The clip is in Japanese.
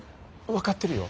分かってるよ。